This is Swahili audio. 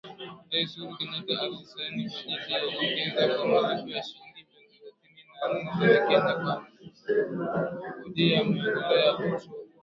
Rais Uhuru Kenyatta alisaini bajeti ya nyongeza kwa malipo ya shilingi bilioni thelathini na nne za Kenya kwa Mfuko wa Kodi ya Maendeleo ya Petroli.